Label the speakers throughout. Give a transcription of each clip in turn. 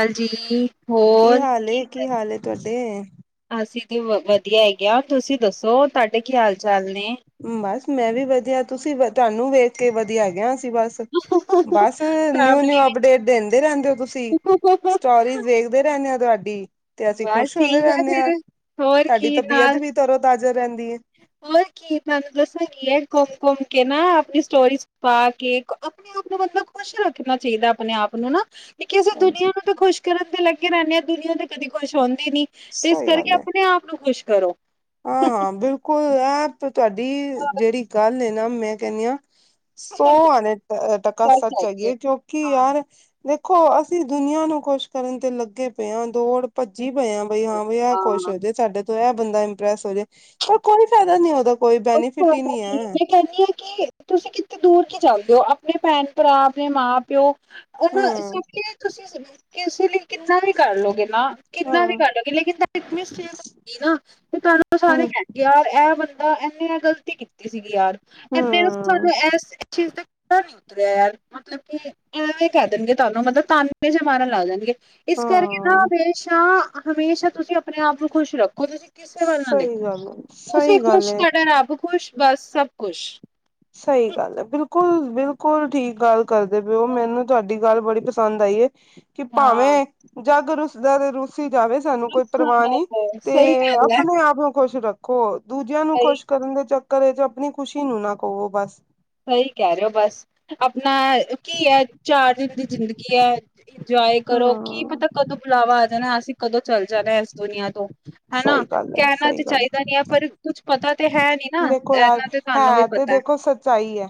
Speaker 1: ਹਾਂਜੀ
Speaker 2: ਕੀ ਹਾਲ ਕੀ ਹਾਲ ਤੁਹਾਡੇ
Speaker 1: ਅਸੀਂ ਤਾਂ ਵ ਵਧੀਆ ਹੈਗੇ ਤੁਸੀਂ ਦੱਸੋ ਤੁਹਾਡੇ ਕੀ ਹਾਲ ਚਾਲ ਨੇ
Speaker 2: ਬਸ ਮੈਂ ਵੀ ਵਧੀਆ ਤੁਸੀਂ ਤੁਹਾਨੂੰ ਵੇਖ ਕੇ ਵਧੀਆ ਗਿਆ ਸੀ ਬਸ ਬਸ ਨਿਊ ਨਿਊ ਅਪਡੇਟ ਦਿੰਦੇ ਰਹਿੰਦੇ ਹੋ ਤੁਸੀਂ
Speaker 1: [inaudible] ਹਾ ਹੈ
Speaker 2: ਸਟੋਰੀ ਦੇੇਖਦੇ ਰਹਿੰਦੇ ਹਾਂ ਤੁਹਾਡੀ ਤੇ ਅਸੀਂ
Speaker 1: ਬਸ
Speaker 2: ਖੁਸ਼ ਹੁੰਦੇ
Speaker 1: ਠੀਕ ਆ
Speaker 2: ਰਹਿੰਦੇ ਹਾਂ
Speaker 1: ਫਿਰ ਹੋਰ
Speaker 2: ਸਾਡੀ
Speaker 1: ਕੀ
Speaker 2: ਤਬੀਅਤ
Speaker 1: ਨਾਲ
Speaker 2: ਵੀ ਤਰੋਂ ਤਾਜਾ ਰਹਿੰਦੀ ਹੈ
Speaker 1: ਹੋਰ ਕੀ ਤੁਹਾਨੂੰ ਦੱਸਾਂ ਕੀ ਹੈ, ਘੁੰਮ- ਘੁੰਮ ਕੇ ਨਾ ਅਪਣੀ ਸਟੋਰੀਸ ਪਾ ਕੇ ਅਪਣੇ ਆਪ ਨੂੰ ਮਤਲਬ ਖੁਸ਼ ਰੱਖਣਾ ਚਾਹੀਦਾ ਅਪਣੇ ਆਪ ਨੂੰ ਨਾ ਕਿੳਕਿ ਅਸੀਂ ਦੁਨੀਆਂ
Speaker 2: ਹਾਂਜੀ
Speaker 1: ਨੂੰ ਤਾਂ ਖੁਸ਼ ਕਰਨ ਦੇ ਲੱਗੇ ਰਹਿੰਨੇ ਹਾਂ, ਦੁਨੀਆਂ ਤੇ ਕਦੇ ਖੁਸ਼ ਹੁੰਦੀ ਨੀ। ਤੇ ਇਸ
Speaker 2: ਸਹੀ ਗੱਲ
Speaker 1: ਕਰਕੇ
Speaker 2: ਹੈ
Speaker 1: ਅਪਣੇ ਆਪ ਨੂੰ ਖੁਸ਼ ਕਰੋ।
Speaker 2: ਹਾਂ ਹਾਂ ਬਿਲਕੁਲ ਏਹ ਤੇ ਤੁਹਾਡੀ ਜਿਹੜੀ ਗੱਲ ਹੈ ਨਾ ਮੈਂ ਕਹਿੰਦੀ ਹਾਂ ਸੋ ਆਨੇ ਤੱਕ
Speaker 1: ਹਾਂ
Speaker 2: ਸੱਚ ਆਈਏ ਕਿਉਂਕਿ ਯਾਰ ਦੇਖੋ ਅਸੀਂ ਦੁਨੀਆਂ ਨੂੰ ਖੁਸ਼ ਕਰਨ ਤੇ ਲੱਗੇ ਪਏ ਹਾਂ ਦੌੜ ਭੱਜੀ ਪਏ ਆ ਬਈ ਹਾਂ ਬ ਇਹ
Speaker 1: ਹਾਂ
Speaker 2: ਖੁਸ਼ ਹੋ ਜਾੇ ਸਾਡੇ ਤੋਂ ਇਹ ਬੰਦਾ ਇੰਪ੍ਰੈਸ ਹੋ ਜਾੇ ਪਰ ਕੋਈ ਫਾਇਦਾ ਨੀ ਉਹਦਾ ਕੋਈ
Speaker 1: ਬਿਲਕੁਲ
Speaker 2: ਬੈਨੀਫਿਟ ਹੀ ਨਹੀਂ ਹੈ
Speaker 1: ਮੈਂ ਕਹਿੰਦੀ ਕਿ ਤੁਸੀਂ ਕਿਥਤੇ ਦੂਰ ਕੀ ਚੱਲਦੇ ਹੋ ਆਪਣੇ ਭੈਣ ਭਰਾ ਆਪਣੇ ਮਾਂ ਪਿਓ ਉਹਨਾਂ
Speaker 2: ਹਮ
Speaker 1: ਸਭ ਕਿ ਤੁਸੀਂ ਇਸੇ ਲਈ ਕਿੰਨਾ ਵੀ ਕਰ ਲੋਗੇ ਨਾ ਕਿੰਨਾ ਵੀ
Speaker 2: ਹਾਂ
Speaker 1: ਕਰ ਲਗੇ ਲੇਕਿਨ ਮਿਸਟੇਕ ਹੋ ਗਈ ਨਾ ਤੇ ਤੁਹਾਨੂੰ ਉਹ ਸਾਰੇ
Speaker 2: ਹਮ
Speaker 1: ਕਹਿ ਗਿਆ ਇਹ ਬੰਦਾ ਇੰਨੇ ਨਾ ਆ ਗ਼ਲਤੀ ਕੀਤੀ ਸੀਗੀ ਯਾਰ ਇਨੇ ਨਾ
Speaker 2: ਹਮ
Speaker 1: ਸਾਨੂੰ ਇਸ ਚੀਜ਼ ਦਾ ਨੀ ਉਤਰਿਆ ਯਾਰ ਮਤਲਬ ਕਿ ਇਹ ਇਹ ਕਹਿ ਦੇਣਗੇ ਤੁਹਾਨੂੰ ਮਤਲਬ ਤਾਨੇ ਚ ਮਾਰਨ ਲੱਗ ਜਾਣਗੇ ਇਸ ਕਰਕੇ ਨਾ
Speaker 2: ਹਾਂ
Speaker 1: ਹਮੇਸ਼ਾ ਹਮੇਸ਼ਾ ਤੁਸੀਂ ਆਪਣੇ ਆਪ ਨੂੰ ਖੁਸ਼ ਰੱਖੋ ਤੁਸੀਂ ਕਿਸੇ ਵੱਲ ਨਾ
Speaker 2: ਸਹੀ
Speaker 1: ਦੇਖੋ
Speaker 2: ਗੱਲ
Speaker 1: ਤੁਸੀਂ
Speaker 2: ਸਹੀ ਗੱਲ
Speaker 1: ਖੁਸ਼
Speaker 2: ਹੈ
Speaker 1: ਤੁਡ ਆਪੱ ਖੁਸ਼ ਬਸ ਸਭ ਖੁਸ਼
Speaker 2: ਸਹੀ ਗੱਲ ਹੈ ਬਿਲਕੁਲ ਬਿਲਕੁਲ ਠੀਕ ਗੱਲ ਕਰਦੇ ਪਏ ਉਹ ਮੈਨੂੰ ਤੁਹਾਡੀ ਗੱਲ ਬੜੀ ਪਸੰਦ ਆਈ ਕਿ
Speaker 1: ਹਾਂ
Speaker 2: ਭਾਵੇਂ ਜੱਗ ਰੁਸਦਾ ਤੇ ਰੁਸੀ ਜਾਵੇ ਸਾਨੂੰ
Speaker 1: ਬਸ
Speaker 2: ਕੋਈ ਪਰਵਾਹ
Speaker 1: ਸੁੰਦਰ
Speaker 2: ਨੀ
Speaker 1: ਹੈ,
Speaker 2: ਤੇ
Speaker 1: ਸਹੀ ਗੱਲ ਹੈ
Speaker 2: ਆਪਣੇ ਆਪ ਨੂੰ ਖੁਸ਼ ਰੱਖ ਕਹੋ ਦੂਜਿਆਂ ਨੂੰ
Speaker 1: ਸਹੀ
Speaker 2: ਖੁਸ਼ ਕਰਨ ਦੇ ਚੱਕਰ ਚ ਆਪਣੀ ਖੁਸ਼ੀ ਨੂੰ ਨਾ ਕਹਵੋ ਬਸ
Speaker 1: ਸਹੀ ਕਹਿ ਰਹੇ ਹੋ ਬਸ ਆਪਣਾ ਕੀ ਹੈ ਚਾਰ ਦਿਨ ਦੀ ਜ਼ਿੰਦਗੀ ਹੈ ਇੰਜੋਏ ਕਰੋ ਕੀ
Speaker 2: ਹਮ
Speaker 1: ਪਤਾ ਕਦੋਂ ਬੁਲਾਵਾ ਆ ਜਾਣਾ ਅਸੀਂ ਕਦੋਂ ਚੱਲ ਜਾਣਾ ਇਸ ਦੁਨੀਆਂ ਤੋਂ ਹਨਾ
Speaker 2: ਸਹੀ ਗੱਲ ਹੈ
Speaker 1: ਕਹਿਣਾ
Speaker 2: ਸਹੀ
Speaker 1: ਤੇ
Speaker 2: ਗੱਲ
Speaker 1: ਚਾਹੀਦਾ ਨੀ ਹੈ ਪਰ ਕੁੱਛ ਪਤਾ ਤੇ ਹੈ ਨੀ ਨਾ।
Speaker 2: ਦੇਖੋ ਯ
Speaker 1: ਇਹਨਾਂ ਤੇ ਤੁਹਾਨੂੰ ਵੀ
Speaker 2: ਹੈ ਤੇ
Speaker 1: ਪਤਾ
Speaker 2: ਦੇਖੋ ਸੱਚਾਈ ਹੈ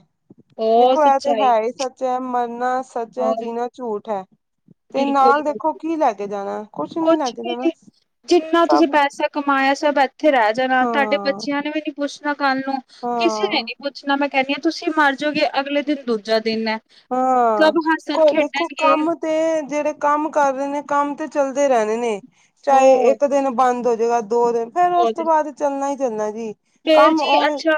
Speaker 1: ਹੋਰ
Speaker 2: ਦੇਖੋ ਇਹ ਤੇ
Speaker 1: ਸੱਚਾਈ
Speaker 2: ਹੈ ਹੀ ਸ ਸੱਚ ਹੈ ਮਰਨਾ ਸੱਚ ਹੈ
Speaker 1: ਹੋਰ
Speaker 2: ਜੀਣਾ ਝੂਠ ਹੈ ਤੇ
Speaker 1: ਬਿਲਕੁਲ
Speaker 2: ਨਾਲ ਦੇਖੋ
Speaker 1: ਬਿਲਕੁਲ,
Speaker 2: ਕੀ ਲੈ ਕੇ ਜਾਣਾ ਨੀ
Speaker 1: ਕੁਛ
Speaker 2: ਲੈ ਕੇ
Speaker 1: ਵੀ
Speaker 2: ਜਾਣਾ
Speaker 1: ਨੀ ਜਿੰਨਾ ਤੁਸੀਂ
Speaker 2: ਸਭ
Speaker 1: ਪੈਸਾ ਕਮਾਇਆ ਸਭ ਇੱਥੇ ਰਹਿ ਜਾਣਾ ਤੁਹਾਡੇ
Speaker 2: ਹਾਂ
Speaker 1: ਬੱਚਿਆਂ ਨੇ ਵੀ ਨ ਪੁੱਛਣਾ ਕੱਲ ਨੂੰ ਕਿਸੇ ਨੇ
Speaker 2: ਹਾਂ
Speaker 1: ਨੀ ਪੁੱਛਣਾ ਮੈਂ ਕਹਿਣੀ ਹ ਤੁਸੀਂ ਮਰ ਜਾਓਗੇ ਅਗਲੇ ਦਿਨ ਦੂਜਾ ਦਿਨ ਹੈ
Speaker 2: ਹਾਂ
Speaker 1: ਸਭ
Speaker 2: ਕ
Speaker 1: ਹੱਸਣ
Speaker 2: ਦੇਖੋ
Speaker 1: ਖੇਡਣਗੇ
Speaker 2: ਕਮ ਤੇ ਜਿਹੜੇ ਕੰਮ ਕਰ ਰਹੇ ਨੇ, ਕੰਮ ਤੇ ਚੱਲਦੇ ਰਹਿਣੇ ਨੇ ਚਾਹੇ
Speaker 1: ਹੋਰ
Speaker 2: ਇੱਕ ਦਿਨ ਬੰਦ ਹੋਜਏਗਾ ਦੋ ਦਿਨ, ਫੇਰ ਉਸ
Speaker 1: ਬਹੁਤ
Speaker 2: ਤੋਂ ਬਾਅਦ ਚੱਲਣਾ ਹੀ ਚੱਲਣਾ ਜੀ।
Speaker 1: ਫੇਰ
Speaker 2: ਕੰਮ
Speaker 1: ਜੀ
Speaker 2: ਉਵੇਂ,
Speaker 1: ਅੱਛਾ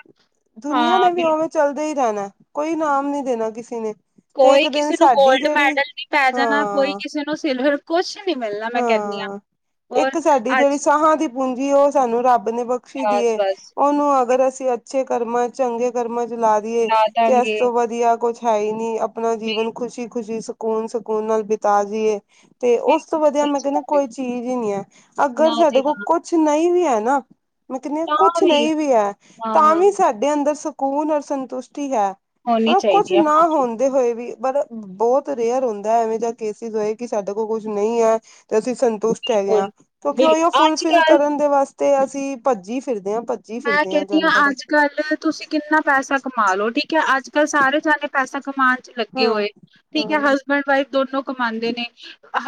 Speaker 2: ਦੁਨੀਆਂ
Speaker 1: ਹਾਂ
Speaker 2: ਦੇ ਵੀ
Speaker 1: ਬਿਲਕੁਲ
Speaker 2: ਉਵੇਂ। ਚਲਦੇ, ਹੀ ਰਹਿਣਾ ਕੋਈ, ਇਨਾਮ ਨੀ ਦੇਣਾ, ਕਿਸੇ ਨੇ। ਤੇ
Speaker 1: ਕੋਈ,
Speaker 2: ਇੱਕ ਦਿਨ
Speaker 1: ਕਿਸੇ ਨੂੰ।
Speaker 2: ਸਾਡੀ
Speaker 1: ਗੋਲਡ
Speaker 2: ਜਿਹੜੀ
Speaker 1: ਮੈਡਲ, ਵੀ ਪੈ ਜਾਣ ਨਾ ਕੋਈ
Speaker 2: ਹਾਂ
Speaker 1: ਕਿਸੇ, ਨੂੰ ਸਿਲਵਰ ਕੁਛ ਨੀ ਮਿਲਣਾ ਮੈਂ ਕਰਨੀ ਆਂ।
Speaker 2: ਹਾਂ ਇੱਕ ਸਾਡੀ ਜਿਹੜੀ ਸਾਹਾਂ ਦੀ ਪੂੰਜੀ ਏ, ਓਹ ਸਾਨੂੰ ਰੱਬ ਨੇ ਬਖਸ਼ੀ
Speaker 1: ਬਸ
Speaker 2: ਦੀਏ।
Speaker 1: ਬਸ
Speaker 2: ਉਹਨੂੰ ਅਗਰ ਅਸੀਂ ਅੱਛੇ ਕਰਮਾਂ ਚੰਗੇ ਕਰਮਾਂ 'ਚ ਲਾ ਦੀਏ ਤੇ ਇਸ ਤੋਂ ਵਧੀਆ ਕੁਛ ਹਾਏ ਨੀ, ਆਪਣਾ ਜੀਵਨ, ਖੁਸ਼ੀ-ਖੁਸ਼ੀ, ਸਕੂਨ-ਸਕੂਨ, ਨਾਲ ਬਿਤਾ ਜਾਈਏ। ਤੇ ਉਸ [inaudible]
Speaker 1: ਬਿਲਕੁਲ
Speaker 2: ਤੋਂ ਵਧੀਆ, ਮੈਂ
Speaker 1: ਸੱਚ
Speaker 2: ਕਹਿੰਦਾ
Speaker 1: ਗੱਲ ਏ।
Speaker 2: ਕੋਈ ਚੀਜ਼ ਹੀ ਨਹੀਂ ਹੈ।
Speaker 1: ਨਾ
Speaker 2: ਅਗਰ ਸਾਡੇ
Speaker 1: ਜੀ
Speaker 2: ਕੋਲ,
Speaker 1: ਨਾ
Speaker 2: ਕੁਛ ਨਹੀਂ ਵੀ, ਹੈ ਨਾ? ਮੈਂ, ਕਹਿ ਨੀ ਆ, ਕੁਛ ਨਹੀਂ ਵੀ ਹੈ।
Speaker 1: ਹਾਂ
Speaker 2: ਤਾਂ, ਵੀ ਸਾਡੇ ਅੰਦਰ ਸਕੂਨ, ਔਰ ਸੰਤੁਸ਼ਟੀ ਹੈ।
Speaker 1: ਹੋਣੀ
Speaker 2: ਓ ਕੁੱਛ,
Speaker 1: ਚਾਹੀਦੀ ਆ
Speaker 2: ਨਾ
Speaker 1: ਹਾਂ
Speaker 2: ਹੁੰ ਹੋਏ ਵੀ ਪਰ ਬੋਹਤ ਰੇਅਰ ਹੁੰਦਾ ਐਵੇਂ ਜਾਂ ਕੇਸਿਸ ਹੋਏ ਕਿ ਸਾਡੇ ਕੋਲ ਕੁਛ ਨਈਂ ਐ। ਤੇ, ਅਸੀਂ ਸੰਤੁਸ਼ਟ ਹੈਗੇ
Speaker 1: ਬਿਲਕੁਲ,
Speaker 2: ਆਂ, ਕਿਉਂਕਿ
Speaker 1: ਬਿਲ
Speaker 2: ਓਹੀਓ ਫੁਲਫਿਲ
Speaker 1: ਅੱਜ-ਕੱਲ
Speaker 2: ਕਰਨ ਦੇ ਵਾਸਤੇ, ਅਸੀਂ ਭੱਜੀ ਫਿਰਦੇ ਹਾਂ, ਭੱਜੀ
Speaker 1: ਮੈਂ
Speaker 2: ਫਿਰਦੇ ਹਾਂ
Speaker 1: ਕਹਿੰਨੀਂ
Speaker 2: ਤੁਹਾਨੂੰ
Speaker 1: ਆਂ
Speaker 2: ਪਤਾ
Speaker 1: ਅੱਜ-ਕੱਲ ਤੁਸੀਂ ਕਿੰਨਾ ਪੈਸਾ ਕਮਾ ਲੋੋ ਠੀਕ ਏ ਅੱਜ-ਕੱਲ ਸਾਰੇ ਜਨੇ ਪੈਸਾ ਕਮਾਣ 'ਚ ਲੱਗੇ
Speaker 2: ਹਾਂ
Speaker 1: ਹੋਏ ਠੀਕੇ
Speaker 2: ਹਾਂ
Speaker 1: ਸਬੈਂਡ-ਵਾਈਫ ਦੋਨੋ ਕਮਾਂਦੇ ਨੇ।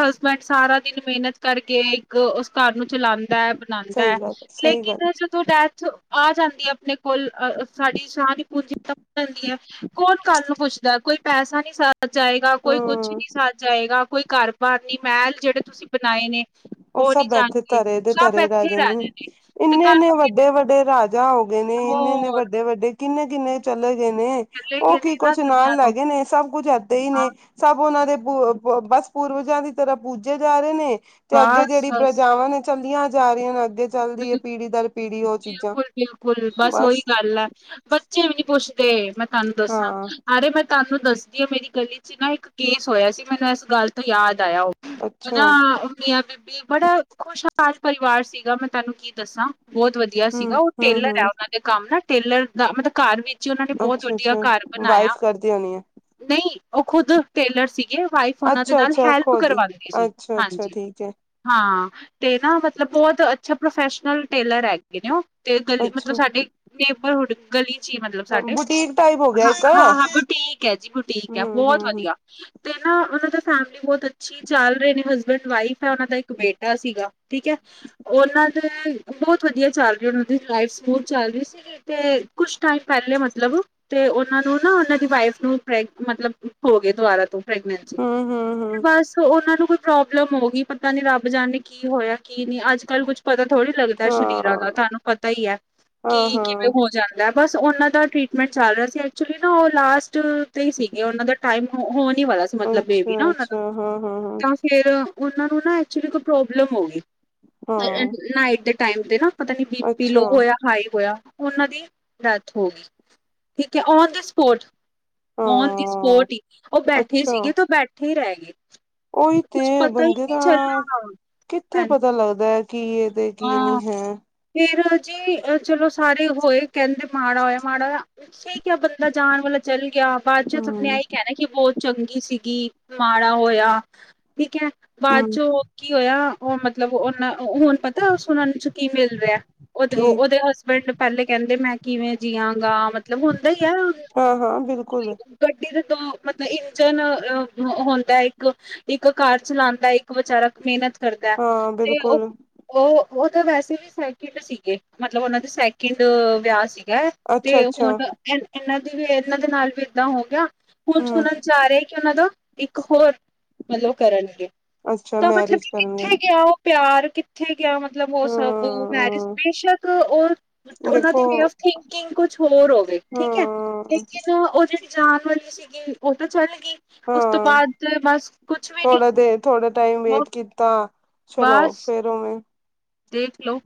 Speaker 1: ਹਸਬੈਂਡ ਸਾਰਾ ਦਿਨ ਮਿਹਨਤ ਕਰਕੇ ਇੱਕ ਉਸ ਘਰ ਨੂੰ ਚਲਾਂਦਾ। ਬਣਾਦਾ,
Speaker 2: ਸਹੀ ਗੱਲ ਸਹੀ
Speaker 1: ਲੇਕਿਨ
Speaker 2: ਗੱਲ
Speaker 1: ਤੋਂ ਡੈਥ ਆ ਜਾਂਦੀਏ ਆਪਣੇ ਕੋਲ ਸਾਡੀ ਸਾਰੀ ਪੂੰਜੀ ਜਾਂਦੀ ਹੈ ਕੌਣ ਕੱਲ ਨੂੰ ਪੁੱਛਦਾ, ਕੋਈ ਪੈਸਾ ਨੀਂ ਸਾਥ ਜਾਏਗਾ ਕੋਈ ਕੁਛ
Speaker 2: ਹਾਂ
Speaker 1: ਨੀ ਸਾਥ ਜਾਏਗਾ, ਕੋਈ ਘਰ ਬਾਰ ਨੀਂ ਮਹਿਲ ਜਿਹੜੇ ਤੁਸੀਂ ਬਣਾਏ ਨੇ।
Speaker 2: ਓਹ
Speaker 1: ਉਹ ਨਹੀਂ
Speaker 2: ਸਭ
Speaker 1: ਜਾਣਗੇ
Speaker 2: ਤਰੇ ਦੇ
Speaker 1: ਸਭ
Speaker 2: ਤਰੇ ਰਹਿ
Speaker 1: ਇੱਥੇ
Speaker 2: ਜਾਂਦੇ
Speaker 1: ਹੀ
Speaker 2: ਨੇ
Speaker 1: ਰਹੇ ਤੇ ਕੱਲ
Speaker 2: ਇੰਨੇ-ਇੰਨੇ
Speaker 1: ਨੂੰ
Speaker 2: ਵੱਡੇ-ਵੱਡੇ, ਰਾਜ ਜਾ ਹੋ ਗਏ ਨੇ, ਇੰਨੇ-ਇੰਨੇ ਵੱਡੇ-ਵੱਡੇ ਕਿੰਨੇ-ਕਿੰਨੇ ਚਲੇ ਗਏ ਨੇ। ਓਹ ਕੀ
Speaker 1: ਨਾ
Speaker 2: ਕੁੱਛ ਨਾਲ
Speaker 1: ਦੁਨੀਆਂ ਤੋਂ
Speaker 2: ਲੈ ਗਏ ਨੇ, ਸਭ ਕੁੱਝ ਏਦੇ ਹੀ
Speaker 1: ਹਾਂ
Speaker 2: ਨੇ। ਸਭ ਉਹਨਾਂ ਦੇ ਪ ਪੂ ਬਸ, ਪੂਰਵਜਾਂ ਦੀ ਤਰ੍ਹਾਂ ਪੂਜੇ ਜਾ ਰੇ ਨੇ। ਤੇ ਅੱਗੇ
Speaker 1: ਬਸ
Speaker 2: ਜੇਹੜੀ
Speaker 1: ਬਸ
Speaker 2: ਪ੍ਰਜਾਵਾਂ ਨੇ ਚੱਲੀਆਂ ਜਾ ਰਹੀਆਂ ਨੇ ਅੱਗੇ। ਚੱਲਦੀ ਹੈ ਪੀੜ੍ਹੀ ਦਰ ਪੀੜ੍ਹੀ ਉਹ ਚੀਜ਼ਾਂ
Speaker 1: ਬਿਲਕੁਲ-ਬਿਲਕੁਲ, ਬਸ ਓਹੀ ਗੱਲ ਏ। ਬੱਚੇ ਵੀ ਨੀ ਪੁੱਛਦੇ, ਮੈਂ ਤਾਨੂੰ ਦੱਸਾਂ
Speaker 2: ਹਾਂ
Speaker 1: ਅਰੇ ਮੈਂ ਤਾਨੂੰ ਦੱਸਦੀ ਆਂ ਮੇਰੀ ਗਲੀ 'ਚ ਨਾ ਇੱਕ ਕੇਸ ਹੋਇਆ ਸੀ, ਮੈਨੂੰ ਇਸ ਗੱਲ ਤੋਂ ਯਾਦ ਆਇਆ ਓਹ। ਹਨਾ,
Speaker 2: ਅੱਛਾ
Speaker 1: ਮੀਆਂ ਬੀਬੀ ਬੜਾ ਖੁਸ਼ਹਾਲ ਪਰਿਵਾਰ ਸੀਗਾ ਮਤਬਲ ਤਾਨੂੰ ਕੀ ਦੱਸਾਂ ਬਹੁਤ ਵਧੀਆ
Speaker 2: ਹੂੰ,
Speaker 1: ਸੀਗਾ ਉਹ
Speaker 2: ਹੂੰ,
Speaker 1: ਟੇਲਰ ਐ
Speaker 2: ਹੂੰ
Speaker 1: ਉਹਨਾਂ ਦੇ ਕੰਮ ਨਾਲ ਟੇਲਰ ਦਾ, ਮਤਲਬ ਘਰ ਵੀ 'ਚ ਓਹਨਾਂ ਨੇ ਬਹੁਤ ਵਧੀਆ
Speaker 2: ਅੱਛਾ-ਅੱਛਾ
Speaker 1: ਘਰ ਬਣਾਇਆ।
Speaker 2: ਵਾਈਫ ਕਰਦੀ ਹੋਣੀ ਹੈ।
Speaker 1: ਨਹੀਂ, ਓਹ ਖੁਦ ਟੇਲਰ ਸੀਗੇ, ਵਾਈਫ ਓਹਨਾਂ ਦੇ ਨਾਲ
Speaker 2: ਅੱਛਾ-ਅੱਛਾ
Speaker 1: ਹੈਲਪ
Speaker 2: ਖੁਦ ਹੀ
Speaker 1: ਕਰਵਾਉਂਦੇ ਸੀ,
Speaker 2: ਅੱਛਾ-ਅੱਛਾ
Speaker 1: ਹਾਂਜੀ
Speaker 2: ਠੀਕ ਹੈ
Speaker 1: ਹਾਂ, ਤੇ ਨਾ ਮਤਲਬ ਬਹੁਤ ਅੱਛਾ ਪ੍ਰੋਫੈਸ਼ਨਲ ਟੇਲਰ ਹੈ ਗੇ ਨੇ ਓਹ, ਤੇ ਗੱਲ ਮਤਲਬ
Speaker 2: ਅੱਛਾ
Speaker 1: ਸਾਡੇ ਨੇਬਰਹੁੱਡ ਗਲੀ ਚ ਹੀ ਮਤਲਬ ਸਾਡੇ
Speaker 2: ਬੁਟੀਕ ਟਾਈਪ ਹੋ ਗਿਆ ਇੱਕ
Speaker 1: ਹਾਂ-ਹਾਂ, ਹਾਂ ਬੁਟੀਕ ਹੈਜੀ, ਬੁਟੀਕ ਹੈ
Speaker 2: ਹੂੰ,
Speaker 1: ਬਹੁਤ
Speaker 2: ਹੂੰ, ਹੂੰ,
Speaker 1: ਵਧੀਆ। ਤੇ ਨਾ ਓਹਨਾਂ ਦਾ ਫੈਮਲੀ ਬਹੁਤ ਅੱਛੀ ਚੱਲ ਰਹੇ ਨੇ ਹਸਬੈਂਡ ਵਾਈਫ ਏ ਤੇ ਓਨਾ ਦਾ ਇੱਕ ਬੇਟਾ ਸੀਗਾ। ਠੀਕੇ, ਓਹਨਾਂ ਦੇ ਬਹੁਤ ਵਧੀਆ ਚੱਲ ਰਹੀ ਓਹਨਾਂ ਦੀ ਲਾਈਫ ਸਮੂਦ ਚੱਲ ਰਹੀ ਸੀਗੀ, ਤੇ ਕੁਛ ਟਾਈਮ ਪਹਿਲੇ ਮਤਲਬ ਤੇ ਓਹਨਾਂ ਨੂੰ ਨਾ ਓਹਨਾਂ ਦੀ ਵਾਈਫ ਨੂੰ ਪ੍ਰੈ ਮਤਲਬ ਹੋ ਗਏ ਦੁਬਾਰਾ ਤੋਂ ਪ੍ਰੈਗਨੈਂਟ,
Speaker 2: ਹੂੰ, ਹੂੰ, ਹੂੰ
Speaker 1: ਬਸ ਓਹਨਾਂ ਨੂੰ ਪ੍ਰੋਬਲਮ ਹੋ ਗਈ ਪਤਾ ਨੀ ਰੱਬ ਜਾਨੇ ਕੀ ਹੋਇਆ ਕੀ ਨੀਂ ਅੱਜ-ਕੱਲ੍ਹ ਕੁੱਛ ਪਤਾ ਥੋੜ੍ਹੀ ਲੱਗਦਾ ਸਰੀਰਾਂ ਦਾ
Speaker 2: ਹਾਂ,
Speaker 1: ਤੁਆਨੂੰ ਪਤਾ ਹੀਏ,
Speaker 2: ਹਾਂ,
Speaker 1: ਕਿ ਕਿਵੇਂ
Speaker 2: ਹਾਂ
Speaker 1: ਹੋ ਜਾਂਦਾ। ਬਸ, ਓਹਨਾਂ ਦਾ ਟਰੀਟਮੈਂਟ ਚੱਲ ਰਿਹਾ ਸੀ। ਐਕਚੁਲੀ ਨਾ ਉਹ ਲਾਸਟ ਤੇ ਹੀ ਸੀਗੇ, ਓਹਨਾਂ ਦਾ ਟਾਈਮ ਹੋਣ ਹੀ ਵਾਲਾ ਸੀ। ਮਤਲਬ ਬੇਬੀ ਨਾ ਉਹਨਾਂ ਦਾ,
Speaker 2: ਅੱਛਾ-ਅੱਛਾ ਹਾਂ, ਹਾਂ, ਹਾਂ,
Speaker 1: ਤਾਂ ਫੇਰਉਹਨਾਂ ਨੂੰ ਨਾ ਐਕਚੁਲੀ ਕੋਈ ਪ੍ਰੋਬਲਮ ਹੋ ਗਈ।
Speaker 2: ਹਾਂ
Speaker 1: ਨਾਈਟ ਦੇ ਟਾਈਮ, ਤੇ ਨਾ ਪਤਾ ਨੀ ਬੀਪੀ
Speaker 2: ਅੱਛਾ
Speaker 1: ਲੋਅ ਹੋਇਆ। ਹਾਈ ਹੋਇਆ, ਓਹਨਾਂ ਦੀ ਡੈਥ ਹੋ ਗਈ ਠੀਕੇ, on the spot. On the
Speaker 2: ਹਾਂ
Speaker 1: ਸਪੋਟ ਈ, ਓਹ ਬੈਠੇ ਸੀਗੇ, ਤੇ ਬੈਠੇ ਹੀ ਰਹਿ ਗਏ।
Speaker 2: ਓਹੀ
Speaker 1: ਕੁਛ
Speaker 2: ਤੇ,
Speaker 1: ਪਤਾ ਹੀ
Speaker 2: ਬੰਦੇ
Speaker 1: ਨਹੀਂ
Speaker 2: ਦਾ
Speaker 1: ਚੱਲਣਾ
Speaker 2: ਕਿੱਥੇ
Speaker 1: ਹਾਂਜੀ
Speaker 2: ਪਤਾ ਲੱਗਦਾ। ਕੀ ਇਹ, ਤੇ ਕੀ
Speaker 1: ਹਾਂ,
Speaker 2: ਨਹੀਂ ਹੈ।
Speaker 1: ਫੇਰ ਜੀ ਚਲੋ, ਸਾਰੇ ਹੋਏ ਕਹਿੰਦੇ, ਮਾੜਾ ਹੋਇਆ ਮਾੜਾ ਠੀਕ ਹੈ ਬੰਦਾ ਜਾਣ ਵਾਲਾ ਚੱਲ ਗਿਆ। ਬਾਦ ਚ' ਸਭ ਨੇ ਆਪਣੇ ਆ
Speaker 2: ਹੂੰ,
Speaker 1: ਹੀ ਕਹਿਣਾ ਕਿ ਬਹੁ ਚੰਗੀ ਸੀਗੀ। ਮਾੜਾ ਹੋਇਆ। ਠੀਕ ਹੈ। ਬਾਅਦ
Speaker 2: ਹੂੰ
Speaker 1: ਚੋਂ ਕੀ ਹੋਇਆ। ਉਹ ਮਤਲਬ ਉਹਨਾਂ ਹੁਣ ਪਤਾ ਉਹਨਾਂ ਚ' ਕੀ ਮਿਲ ਰਿਹਾ। ਉਹਦੇ,
Speaker 2: ਕੀ
Speaker 1: ਉਹਦੇ ਹਸਬੈਂਡ ਪਹਿਲੇ ਕਹਿੰਦੇ ਮੈਂ ਕਿਵੇਂ ਜੀਆਂਗਾ, ਮਤਲਬ ਹੁੰਦਾ ਹੀ ਆ।
Speaker 2: ਹਾਂ -ਹਾਂ ਬਿਲਕੁਲ।
Speaker 1: ਗੱਡੀ ਦੇ ਦੋ ਮਤਲਬ, ਇੰਜਨ ਹੁੰਦਾ ਇੱਕ। ਇੱਕ ਕਾਰ ਚਲਾਉਦਾ ਇੱਕ ਵਿਚਾਰਾ ਮਿਹਨਤ ਕਰਦਾ ਹੈ।
Speaker 2: ਹਾਂ
Speaker 1: ਤੇ ਉਹ
Speaker 2: ਬਿਲਕੁਲ
Speaker 1: ਉਹ, ਉਹ ਤਾਂ ਵੈਸੇ ਵੀ ਸੈਕਿੰਡ ਸੀਗੇ। ਮਤਲਬ ਉਹਨਾਂ ਦੇ ਸੈਕਿੰਡ ਵਿਆਹ ਸੀ। ਹੈ। ਤੇ ਹੁਣ
Speaker 2: ਅੱਛਾ-ਅੱਛਾ
Speaker 1: ਇਹ ਇਹਨਾਂ ਦੀ ਵੀ ਇਹਨਾਂ ਦੇ ਨਾਲ ਵੀ ਏਦਾਂ ਹੋ ਗਿਆ। ਕੁੁਝ ਸੁਣ
Speaker 2: ਹੂੰ
Speaker 1: ਚਾਹ ਰਿਹਾ ਕਿ ਉਹਨਾਂ ਦਾ ਇੱਕ ਹੋਰ, ਮਤਲਬ ਕਰਨਗੇ।
Speaker 2: ਅੱਛਾ
Speaker 1: ਤਾਂ ਮਤਲਬ
Speaker 2: ਮੈਰਿਜ
Speaker 1: ਕਿੱਥੇ
Speaker 2: ਕਰਨਗੇ
Speaker 1: ਗਿਆ ਉਹ ਪਿਆਰ ਉੱਥੇ ਗਿਆ ਮਤਲਬ ਉਹ ਸਭ, ਮੈਰਿਜ
Speaker 2: ਹਾਂ
Speaker 1: ਬੇਸ਼ੱਕ ਉਹ ਉਹਨਾਂ
Speaker 2: ਦੇਖੋ
Speaker 1: ਦੀ ਵੇ ਆਫ ਥਿੰਕਿੰਗ ਕੁਛ ਹੋਰ ਹੋਵੇ ਠੀਕ ਹੈ।
Speaker 2: ਹਾਂ
Speaker 1: ਲੇਕਿਨ ਉਹ ਜਿਹੜੀ ਜਾਣ ਵਾਲੀ ਸੀਗੀ। ਉਹ ਤਾਂ ਚੱਲ ਗਈ। ਉਸ ਤੋਂ
Speaker 2: ਹਾਂ।
Speaker 1: ਬਾਅਦ ਬਸ ਕੁਛ ਵੀ ਨੀ
Speaker 2: ਥੋੜਾ ਦੇਰ ਥੋੜਾ ਟਾਈਮ
Speaker 1: ਉਹ
Speaker 2: ਵੇਟ ਕੀਤਾ। ਚਲੋ,
Speaker 1: ਬਸ
Speaker 2: ਫੇਰ ਉਵੇਂ
Speaker 1: ਦੇਖ ਲੋ।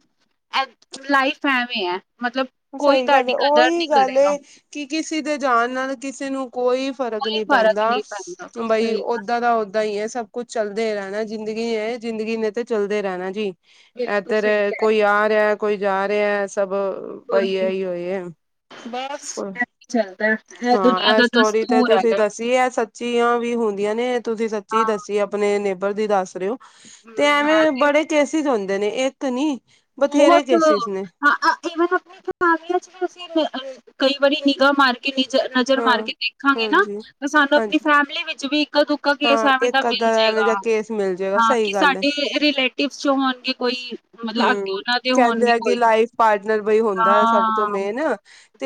Speaker 1: ਲਾਈਫ ਐਵੇਂ ਹੈ। ਮਤਲਬ, ਕੋਈ
Speaker 2: ਸਹੀ ਗੱਲ
Speaker 1: ਤੁਹਾਡੀ
Speaker 2: ਹੈ,
Speaker 1: ਕਦਰ
Speaker 2: ਉਹੀ
Speaker 1: ਨਹੀਂ
Speaker 2: ਗੱਲ
Speaker 1: ਕਰੇਗਾ
Speaker 2: ਕਿ ਕਿਸੇ ਦੇ ਜਾਾਨ ਨਾਲ, ਕਿਸੇ ਨੂੰ ਕੋਈ ਫ਼ਰਕ
Speaker 1: ਕੋਈ
Speaker 2: ਨਹੀਂ
Speaker 1: ਫ਼ਰਕ
Speaker 2: ਪੈਂਦਾ।
Speaker 1: ਨਹੀਂ ਪੈਂਦਾ
Speaker 2: ਬਈ
Speaker 1: ਸਹੀ ਗੱਲ,
Speaker 2: ਓਦਾਂ ਦਾ ਸਹੀ ਹੈ, ਸਭ ਕੁਛ ਚੱਲਦੇ ਰਹਿਣਾ, ਜ਼ਿੰਦਗੀ ਹੈ ਜ਼ਿੰਦਗੀ ਨੇ ਤੇ ਚੱਲਦੇ ਰਹਿਣਾ ਜੀ।
Speaker 1: ਬਿਲਕੁਲ
Speaker 2: ਇਧਰ
Speaker 1: ਸਹੀ ਕਹਿ
Speaker 2: ਕੋਈ ਆ ਰਿਹਾ, ਕੋਈ ਜਾ ਰਿਹਾ। ਸਭ ਭਾਈ ਹੋਏ ਆ।
Speaker 1: ਭਾਰਤ।
Speaker 2: ਉਐ।
Speaker 1: ਚੱਲਦਾ।
Speaker 2: ਹਾਂ। ਇਹ
Speaker 1: ਦਾ
Speaker 2: ਸਟੋਰੀ ਤੇ
Speaker 1: ਦਸਤੂਰ
Speaker 2: ਤੁਸੀਂ
Speaker 1: ਹੈਗਾ
Speaker 2: ਦੱਸੀ ਇਹ ਸੱਚੀਆਂ ਵੀ ਹੁੰਦੀਆਂ ਨੇ ਤੁਸੀਂ ਸੱਚੀ
Speaker 1: ਹਾਂ
Speaker 2: ਦੱਸੀ। ਆਪਣੇ ਨੇਬਰ ਦੀ ਦੱਸ ਰਹੇ ਹੋ। ਤੇ
Speaker 1: ਮੈਂ
Speaker 2: ਐਵੇਂ
Speaker 1: ਤੇ
Speaker 2: ਬੜੇ ਕੇਸਿਸ ਹੁੰਦੇ ਨੇ ਇੱਕ ਨੀ। ਬਥੇਰੇ
Speaker 1: ਬਹੁਤ ਹਾਂ।
Speaker 2: ਕੇਸਿਸ ਨੇ
Speaker 1: ਵਨ ਆਪਣੇ ਮਗ ਅਸੀਂ ਕਈ ਵਾਰੀ ਨਿਗਾ ਮਾਰ ਕੇ ਨਜ਼ਰ ਮਾਰ
Speaker 2: ਹਾਂ
Speaker 1: ਕੇ ਦੇਖਾਂਗੇ ਨਾ।
Speaker 2: ਹਾਂਜੀ
Speaker 1: ਤਾਂ ਸਾਨੂੰ ਆਪਣੀ
Speaker 2: ਹਾਂਜੀ
Speaker 1: ਫੈਮਿਲੀ ਵਿੱਚ ਵੀ ਇੱਕ -ਦੁ ਕੱਭੀ
Speaker 2: ਹਾਂ
Speaker 1: ਸਹਿਬ ਇਹ ਦਾ
Speaker 2: ਇੱਕ ਅੱਧਾ
Speaker 1: ਮਿਲ
Speaker 2: ਐਵੇਂ
Speaker 1: ਜਾੇਗਾ
Speaker 2: ਦਾ ਕੇਸ ਮਿਲ ਜਾਏਗਾ
Speaker 1: ਹਾਂ। ਕਿ
Speaker 2: ਸਹੀ ਗੱਲ ਹੈ
Speaker 1: ਸਾਡੇ ਰਿਲੇ ਟਿਪਸ ਜੋ ਹੋਣਗੇ ਕੋਈ ਮਤਲਬ [unintelligible]
Speaker 2: ਹਮ
Speaker 1: ਹੋਣਗੇ
Speaker 2: ਕਹਿੰਦੇ ਆ ਕਿ
Speaker 1: ਕੋਈ
Speaker 2: ਲਾਈਫ ਪਾਰਟਨਰ ਬਈ ਹੁੰਦਾ ਸਭ ਤੋਂ
Speaker 1: ਹਾਂ
Speaker 2: ਮੇਨ।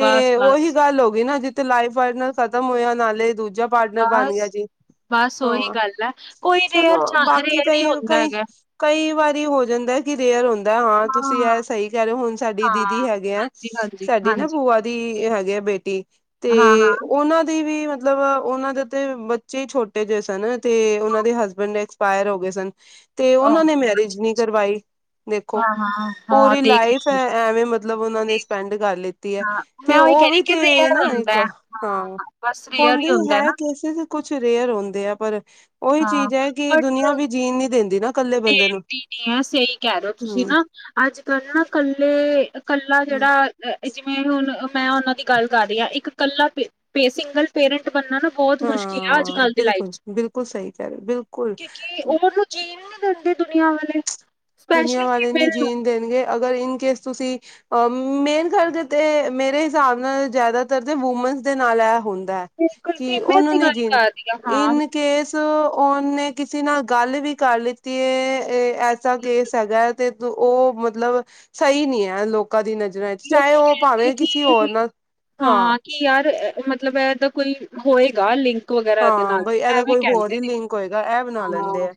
Speaker 1: ਬਸ
Speaker 2: ਉਹੀ
Speaker 1: ਬਸ
Speaker 2: ਗੱਲ ਹੋ ਗਈ ਨਾ। ਜਿੱਥੇ ਲਾਈਫ ਪਾਰਟਨਰ ਖ਼ਤਮ ਹੋਇਆ। ਨਾਲੇ ਦੂਜਾ ਪਾਰਟਨਰ ਬਣ ਗਿਆ
Speaker 1: ਬਸ
Speaker 2: ਜੀ।
Speaker 1: ਬਸ ਉਹੀ
Speaker 2: ਹਾਂ,
Speaker 1: ਗੱਲ ਹੈ ਕੋਈ
Speaker 2: ਚਲੋ
Speaker 1: ਰੇਅਰ ਚਾ
Speaker 2: ਬਾਕੀ
Speaker 1: ਰੇਅਰ ਹੀ
Speaker 2: ਕਈ
Speaker 1: ਹੁੰਦਾ
Speaker 2: -ਕਈ
Speaker 1: ਹੈਗਾ
Speaker 2: ਕਈ ਵਾਰੀ ਹੋ ਜਾਂਦਾ ਕਿ ਰੇਅਰ ਹੁੰਦਾ। ਹਾਂ। ਤੁਸੀਂ ਯਾਰ ਸਹੀ ਕਰਹੇ ਹੋ। ਹੁਣ ਸਾਡੀ
Speaker 1: ਹਾਂ
Speaker 2: ਦੀਦੀ ਹੈਗੇ ਆ।
Speaker 1: ਹਾਂਜੀ ਹਾਂਜੀ
Speaker 2: ਸਾਡੀ ਨਾ
Speaker 1: ਹਾਂਜੀ
Speaker 2: ਬੂਆ ਦੀ ਹੈਗੇ ਆ ਬੇਟੀ। ਤੇ
Speaker 1: ਹਾਂ ਹਾਂ
Speaker 2: ਉਹਨਾਂ ਦੀ ਵੀ ਮਤਲਬ ਉਹਨਾਂ ਦੇ ਤੇ ਬੱਚੇ ਹੀ ਛੋਟੇ ਜਿਹੇ ਸਨ। ਤੇ ਉਹਨਾਂ ਦੇ ਹਸਬੈਂਡ ਪਾਇਰ ਹੋ ਗਏ ਸਨ। ਤੇ
Speaker 1: ਉਹ
Speaker 2: ਉਹਨਾਂ ਨੇ
Speaker 1: ਅੱਛਾ,
Speaker 2: ਮੈਰਿਜ ਨਹੀਂ ਕਰਵਾਈ। ਦੇਖੋ
Speaker 1: ਹਾਂ ਹਾਂ ਹਾਂ
Speaker 2: ਪੂਰੀ
Speaker 1: ਦੇਖ
Speaker 2: ਲਾਈਫ ਹੈ
Speaker 1: ਲ
Speaker 2: ਐਵੇਂ ਮਤਲਬ ਉਹਨਾਂ ਨੇ ਸਪੈਂਡ ਕਰ ਲਿੱਤੀ। ਹੈ।
Speaker 1: ਹਾਂ,
Speaker 2: ਤੇ
Speaker 1: ਮੈਂ ਉਹੀ ਕਹਿ
Speaker 2: ਉਹ
Speaker 1: ਰਹੀ
Speaker 2: ਵੀ
Speaker 1: ਕਿ
Speaker 2: ਤੇ
Speaker 1: ਰੇਅਰ
Speaker 2: ਨਾ
Speaker 1: ਹੁੰਦਾ
Speaker 2: ਇੱਕ।
Speaker 1: ਹੈ,
Speaker 2: ਹਾਂ,
Speaker 1: ਬਸ ਰੇਅਰ ਹੀ
Speaker 2: ਹਦੀ
Speaker 1: ਹੁੰਦਾ
Speaker 2: ਹੈ
Speaker 1: ਨਾ।
Speaker 2: ਕੇਸਿਸ ਕੁਛ ਰੇਅਰ ਹੁੰਦੇ ਆ ਪਰ। ਉਹੀ
Speaker 1: ਹਾਂ,
Speaker 2: ਚੀਜ਼ ਹੈ ਕਿ ਦੁਨੀਆਂ ਵੀ ਜੀਣ ਨੀ ਦਿੰਦੀ ਨਾ। ਇਕੱਲੇ
Speaker 1: ਤੇ
Speaker 2: ਬੰਦੇ
Speaker 1: ਐਮ
Speaker 2: ਨੂੰ
Speaker 1: ਪੀ ਆ ਸਹੀ। ਕਹਿ ਰਹੇ ਹੋ ਤੁਸੀਂ
Speaker 2: ਹਮ
Speaker 1: ਨਾ। ਅੱਜ ਕੱਲ ਨਾ ਕੱਲੇ, ਕੱਲਾ ਜਿਹੜਾ ਜਿਵੇਂ ਹੁਣ ਮੈਂ ਉਹਨਾਂ ਦੀ ਗੱਲ ਕਰ ਰਹੀ ਹਾਂ। ਇੱਕ ਕੱਲਾੇ ਸਿੰਗਲ ਪੇਰੈਂਟ ਬਣਨਾ ਨਾ ਬਹੁਤ ਮੁਸ਼ਕਿਲ ਆ ਅੱਜ
Speaker 2: ਹਾਂ
Speaker 1: ਕੱਲ ਦੀ ਲਾਈਫ
Speaker 2: ਬਿਲਕੁਲ
Speaker 1: ਚ'
Speaker 2: ਬਿਲਕੁਲ ਸਹੀ ਕਹਿ ਰਹੇ ਬਿਲਕੁਲ
Speaker 1: ਕਿਉਕਿ ਉਹਨ ਜੀਣ ਨਹੀਂ ਦਿੰਦੇ ਦੁਨੀਆਂ ਵਾਲੇ।
Speaker 2: ਦੁਨੀਆਂ
Speaker 1: ਸਪੈਸ਼ਲੀ
Speaker 2: ਵਾਲੇ ਨੀ
Speaker 1: ਫੀਮੇਲ ਨੂੰ।
Speaker 2: ਜੀਣ ਦੇਣਗੇ ਅਗਰ ਇਨ ਕੇਸ ਤੁਸੀਂ ਅ ਮੇਨ ਕਰਕੇ ਤੇ ਮੇਰੇ ਹਿਸਾਬ ਨਾਲ ਜਿਆਦਾਤਰ ਤੇ ਵੂਮਨਸ ਦੇ ਨਾਲ ਇਹ ਹੁੰਦਾ।
Speaker 1: ਬਿਲਕੁਲ
Speaker 2: ਕੀ
Speaker 1: ਫੀਮੇਲ
Speaker 2: ਉਹਨਾਂ
Speaker 1: ਦੀ
Speaker 2: ਨੇ
Speaker 1: ਗੱਲ
Speaker 2: ਜੀਨ,
Speaker 1: ਕਰ ਰਹੀ ਹਾਂ, ਹਾਂ
Speaker 2: ਇਨ ਕੇਸ ਸੋ ਉਹਨੇ ਕਿਸੇ ਨਾਲ ਗੱਲ ਵੀ ਕਰ ਲਿੱਤੀ ਏ, ਐਸਾ ਕੇਸ ਹੈਗਾ ਤੇ ਤੋ ਉਹ ਮਤਲਬ ਸਹੀ ਨੀ ਐ ਲੋਕ। ਕਦੀ ਨਜ਼ਰਾਂ ਚ, ਚਾਹੇ
Speaker 1: ਲੋਕੀ
Speaker 2: ਉਹ
Speaker 1: ਕਹਿਣਗੇ
Speaker 2: ਭਾਵੇਂ ਕਿਸੇ
Speaker 1: ਕਿ
Speaker 2: ਹੋਰ ਨਾਲ, ਹਾਂ
Speaker 1: ਕਿ ਯਾਰ ਐ ਐ ਮਤਲਬ ਏਹਦਾਂ ਕੋਈ ਹੋਏਗਾ ਲਿੰਕ ਵਗੈਰਾ ਇਹਦੇ
Speaker 2: ਹਾਂ,
Speaker 1: ਨਾਲ
Speaker 2: ਬਈ ਇਹਦਾ
Speaker 1: ਐਵੇਂ
Speaker 2: ਕੋਈ ਹੋਰ
Speaker 1: ਕਹਿੰਦੇ
Speaker 2: ਹੀ
Speaker 1: ਨੇ।
Speaker 2: ਲਿੰਕ ਹੋਏਗਾ ਇਹ ਬਣਾ ਲੈਂਦੇ
Speaker 1: ਹਾਂ
Speaker 2: ਆ।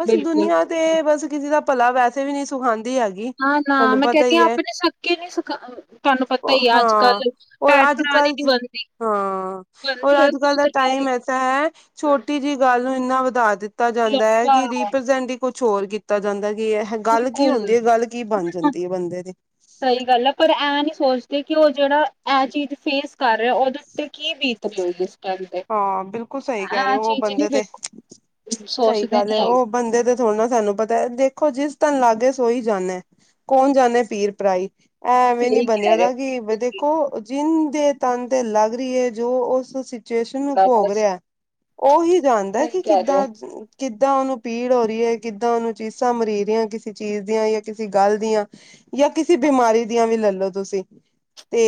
Speaker 2: ਬਸ
Speaker 1: ਬਿਲਕੁਲ
Speaker 2: ਦੁਨੀਆਂ
Speaker 1: ਸਹੀ।
Speaker 2: ਤੇ ਬਸ ਕਿਸੇ ਦਾ ਭਲਾ ਵੈਸੇ ਵੀ ਨਹੀਂ ਸੁਖਾਉਂਦੀ ਹੈ।
Speaker 1: ਨਾ-ਨਾ ਮੈਂ ਕਹਿਦੀ ਹਾਂ ਆਪਣੇ ਸਕੇ ਨੀ ਸਿਖਾ, ਤੁਹਾਨੂੰ ਪਤਾ ਈ ਆ
Speaker 2: ਹਾਂ
Speaker 1: ਅੱਜ-ਕੱਲ।
Speaker 2: ਔਰ ਅੱਜ-ਕੱਲ ਤੁਸੀਂ, ਹਾਂ ਔਰ
Speaker 1: ਬਣਦੀ ਹੈ
Speaker 2: ਅੱਜ-ਕੱਲ
Speaker 1: ਕੋਈ
Speaker 2: ਦਾ
Speaker 1: ਤਾਂ ਪਿਆਰੀ
Speaker 2: ਟਾਈਮ ਐ ਤਾਂ ਛੋਟੀ ਜਿਹੀ ਗੱਲ ਨੂੰ ਇੰਨਾ ਵਧਾ ਦਿੱਤਾ ਜਾਂਦਾ ਆ
Speaker 1: ਲੱਗਾ,
Speaker 2: ਕਿ ਰੀਪਰਜੈਂਡੀ ਕੁਛ ਹੋਰ ਕੀਤਾ ਜਾਂਦਾ ਕਿ ਇਹ ਗੱਲ ਕੀ ਹੁੰਦੀ
Speaker 1: ਬਿਲਕੁਲ
Speaker 2: ਹੈ ਗੱਲ ਕੀ ਬਣ ਜਾਂਦੀ ਹੈ ਬੰਦੇ ਦੀ।
Speaker 1: ਸਹੀ ਗੱਲ ਐ। ਪਰ ਐ ਨਹੀਂ ਸੋਚਦੇ ਕਿ ਉਹ ਜਿਹੜਾ ਇਹ ਚੀਜ਼ ਫੇਸ ਕਰ ਰਿਹਾ ਉਹਦੇ ਉੱਤੇ ਕੀ ਬੀਤ ਪਈ ਗੇ ਸੀ।
Speaker 2: ਹਾਂ ਬਿਲਕੁਲ ਸਹੀ ਕਹਿ ਰਹੇ ਓ
Speaker 1: ਨੀ
Speaker 2: ਬੰਦੇ ਤੇ,
Speaker 1: ਬਿਲਕੁਲ
Speaker 2: ਸਹੀ
Speaker 1: ਸੋਚਦੇ
Speaker 2: ਗੱਲ
Speaker 1: ਨੀ
Speaker 2: ਹੈ
Speaker 1: ਹੈਗੇ।
Speaker 2: ਉਹ ਬੰਦੇ ਤੇ ਥੋੜ੍ਹਾ ਨਾ ਸਾਨੂੰ ਪਤਾ ਦੇਖੋ ਜਿਸ ਤਨ ਲਾਗੇ ਸੋਈ ਜਾਂਨੇ। ਕੌਣ ਜਾਂਦੇ ਪੀਰ ਭਰਾਈ ਐ ਐਵੇਂ ਨੀ
Speaker 1: ਸਹੀ
Speaker 2: ਬੰਨਿਆ
Speaker 1: ਕਹਿ ਰਹੇ
Speaker 2: ਦਾ ਕਿ ਵਦੇ ਓ ਜਿਨ ਦੇ ਤਨ ਤੇ ਲੱਗ ਰਹੀ ਹੈ ਜੋ ਉਸ ਸੀ ਸਿਚਏਸ਼ਨ ਨੂੰ
Speaker 1: ਹੋ
Speaker 2: ਭੋਗ
Speaker 1: ਬਸ
Speaker 2: ਰਿਹਾ ਉਹੀ ਜਾਣਦਾ
Speaker 1: ਸਹੀ
Speaker 2: ਕਿ
Speaker 1: ਕਹਿ ਰਹੇ ਹੋ।
Speaker 2: ਕਿੱਦਾਂ ਕਿੱਦਾਂ ਉਹਨੂੰ ਪੀੜ ਹੋ ਰਹੀ ਹੈ ਕਿੱਦਾਂ ਉਹਨੂੰ ਚੀਸਾਂ ਮਰੀ ਰਹੀਆਂ ਕਿਸੇ ਚੀਜ਼ ਦੀਆਂ ਜਾਂ ਕਿਸੇ ਗੱਲ ਦੀਆਂ ਜਾਂ ਕਿਸੇ ਬਿਮਾਰੀ ਦੀਆਂ ਵੀ ਲੱਲੋ ਤੁਸੀਂ ਤੇ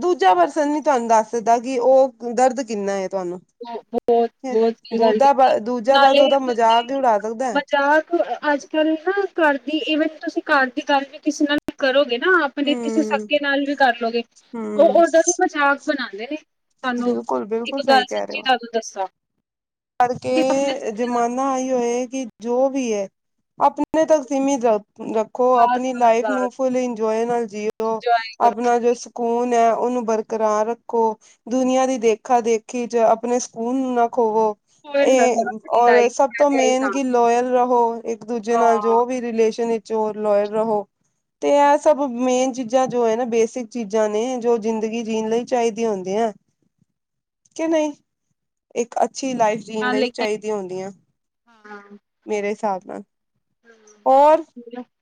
Speaker 2: ਦੂਜਾ ਪਰਸਨ ਨੀ ਤੁਹਾਨੂੰ ਦੱਸ ਸਕਦਾ ਕਿ ਉਹ ਦਰਦ ਕਿੰਨਾ ਤੁਹਾਨੂੰ।
Speaker 1: ਬ ਬਹੁਤ ਬਹੁਤ ਵਧੀਆ ਗੱਲ
Speaker 2: ਦੂਦਾ
Speaker 1: ਕੀਤੀ,
Speaker 2: ਦੂਜਾ ਬਸ
Speaker 1: ਨਾਲੇ
Speaker 2: ਉਹਦਾ ਮਜ਼ਾਕ ਹੀ
Speaker 1: ਤੁਸੀਂ
Speaker 2: ਉਡਾ ਸਕਦਾ ਹੈ
Speaker 1: ਮਜ਼ਾਕ ਓ ਅੱਜ-ਕੱਲ੍ਹ ਨਾ ਘਰ ਦੀ ਈਵਨ ਤੁਸੀਂ ਘਰ ਦੀ ਗੱਲ ਵੀ ਕਿਸੇ ਨਾਲ ਕਰੋਗੇ ਨਾ ਆਪ ਤੁਸੀਂ ਕਿਸੇ
Speaker 2: ਹਮ
Speaker 1: ਸੱਕੇ ਨਾਲ ਵੀ ਕਰ ਲਉਗੇ। ਉਹ
Speaker 2: ਹਮ
Speaker 1: ਓਦਾਂ ਤੋਂ ਮਜ਼ਾਕ ਬਣਾਉਂਦੇ ਨੇ। ਤਾਂਨੂੰ
Speaker 2: ਬਿਲਕੁਲ
Speaker 1: ਇੱਕ
Speaker 2: ਬਿਲਕੁਲ
Speaker 1: ਗੱਲ
Speaker 2: ਸਹੀ ਕਹਿ ਰਹੇ
Speaker 1: ਸੱਚੀ
Speaker 2: ਹੋ
Speaker 1: ਗੱਲ ਦੱਸਾਂ।
Speaker 2: ਕਰਕੇ
Speaker 1: ਕਿ ਆਪਣੇ
Speaker 2: ਏ
Speaker 1: ਬਸ
Speaker 2: ਜ਼ਮਾਨਾ ਆਈਓ ਆ ਕਿ ਜੋ ਵੀ ਹੈ ਆਪਣੇ ਤੱਕ ਸੀਮਿਤ ਰ ਰ ਖੋ
Speaker 1: ਬਸ
Speaker 2: ਆਪਣੀ ਲਾਈਫ
Speaker 1: ਬਸ
Speaker 2: ਨੂੰ ਫੁੱਲ ਇੰਜੋਏ ਨਾਲ ਜੀ
Speaker 1: ਇੰਜੋਏ ਕਰੋ
Speaker 2: ਆਪਣਾ ਜੋ ਸ ਕੂਨ ਹੈ। ਉਹਨੂੰ ਬਰਕਰਾਰ ਰੱਖੋ। ਦੁਨੀਆਂ ਦੀ ਦੇਖਾ-ਦੇਖੀ ਚ ਆਪਣੇ ਸਕੂਨ ਨੂੰ ਨਾ ਖੋਵੋ।
Speaker 1: ਸਪੋਇਲ ਨਾ
Speaker 2: ਇਹ
Speaker 1: ਕਰੋ ਆਪਣੀ
Speaker 2: ਔਰ
Speaker 1: ਲਾਈਫ
Speaker 2: ਸਭ
Speaker 1: ਮੈਂ
Speaker 2: ਤੋਂ
Speaker 1: ਤੇ ਇਹੀ
Speaker 2: ਮੇਨ ਕਿ
Speaker 1: ਕਹਾਂਗੀ
Speaker 2: ਲੋਇਲ ਰਹੋ ਇੱਕ ਦੂਜੇ ਨਾਲ
Speaker 1: ਹਾਂ
Speaker 2: ਜੋ ਵੀ ਰਿਲੇਸ਼ਨ ਚੋਰ ਲਇਰ ਰਹੋ। ਤੇ ਇਹ ਸਭ ਮੇਨ ਚੀਜ਼ਾਂ ਜੋ ਹੈ ਨਾ, ਬੇਸਿਕ ਚੀਜ਼ਾਂ ਨੇ ਜੋ ਜ਼ਿੰਦਗੀ ਜੀਣ ਲਈ ਚਾਹੀਦੀਆਂ ਹੁੰਦੀਆਂ। ਕਿ ਨਹੀਂ? ਇੱਕ ਅੱਛੀ ਲਾਈਫ ਜੀਣ
Speaker 1: ਹਾਂ
Speaker 2: ਲਈ
Speaker 1: ਲੇਕਿਨ
Speaker 2: ਚਾਹੀਦੀਆਂ ਹੁੰਦੀਆਂ
Speaker 1: ਹਾਂ
Speaker 2: ਮੇਰੇ ਹਿਸਾਬ ਨਾਲ, ਔਰ?
Speaker 1: [unintelligible]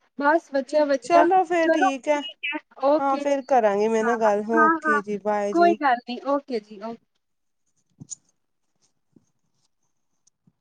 Speaker 2: ਚ
Speaker 1: ਵਧੀਆ ਵਧੀਆ
Speaker 2: ਚਲੋ ਫੇਰ
Speaker 1: ਚਲੋ
Speaker 2: ਠੀਕ ਐ।
Speaker 1: ਹੈ
Speaker 2: ਹਾਂ
Speaker 1: ਓਕੇ
Speaker 2: ਫੇਰ
Speaker 1: ਜੀ।
Speaker 2: ਕਰਾਂਗੀ ਮੈਂ
Speaker 1: ਹਾਂ
Speaker 2: ਨਾ ਗੱਲ ਹੂ
Speaker 1: ਹਾਂ
Speaker 2: ਓਕੇ
Speaker 1: ਹਾਂ
Speaker 2: ਜੀ ਬਾਏ ਜੀ।
Speaker 1: ਕੋਈ ਗੱਲ ਨੀ ਓਹ ਕੇ ਜੀ ਓ-
Speaker 2: [inaudible]